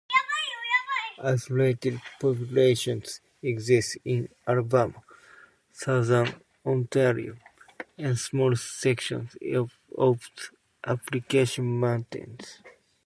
Isolated populations exist in Alabama, Southern Ontario, and small sections of the Appalachian Mountains.